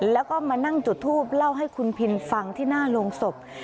แล้วก็มานั่งจุดทูปเล่าให้คุณพินฟังที่หน้าโรงศพ